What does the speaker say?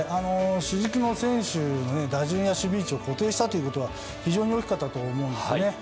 主軸の選手の打順や守備位置を固定したことは非常に大きかったと思います。